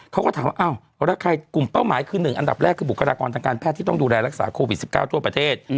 เขาก็ถามว่าอ้าวแล้วใครกลุ่มเป้าหมายคือ๑อันดับแรกคือบุคลากรทางการแพทย์ที่ต้องดูแลรักษาโควิด๑๙ทั่วประเทศ